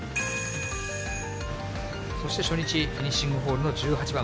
そして初日、フィニッシングホールの１８番。